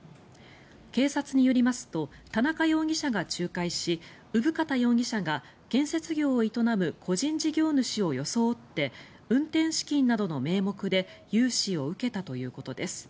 警察によりますと田中容疑者が仲介し生方容疑者が建設業を営む個人事業主を装って運転資金などの名目で融資を受けたということです。